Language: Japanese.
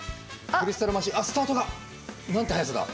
クリスタルマシンあっスタートが。なんて速さだ。